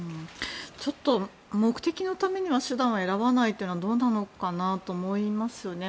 ちょっと目的のためには手段を選ばないというのはどうなのかなと思いますね。